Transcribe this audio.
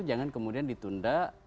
jangan kemudian ditunda